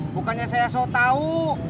bukannya saya so tau